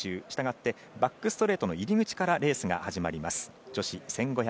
したがってバックストレートの入り口からレースが始まります。